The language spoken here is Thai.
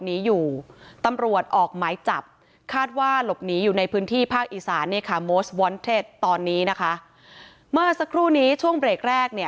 ตำรวจออกหมายจับคาดว่าหลบหนีอยู่ในพื้นที่ภาคอีสานเนี่ยค่ะโมสวอนเท็จตอนนี้นะคะเมื่อสักครู่นี้ช่วงเบรกแรกเนี่ย